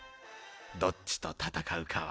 どっちと戦うかは。